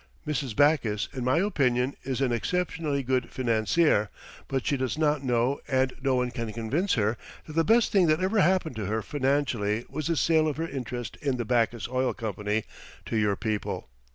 Mrs. Backus, in my opinion, is an exceptionally good financier, but she does not know and no one can convince her that the best thing that ever happened to her financially was the sale of her interest in the Backus Oil Company to your people.